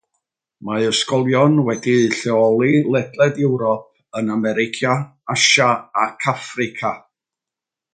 Mae ysgolion wedi'u lleoli ledled Ewrop, yr America, Asia ac Affrica.